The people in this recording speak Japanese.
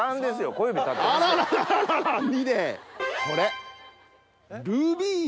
これ。